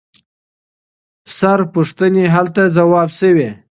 ثره پوښتنې هلته ځواب شوي.